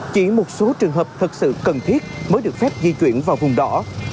chỉ một số trường hợp thật sự cần thiết mới được phép di chuyển vào vùng đỏ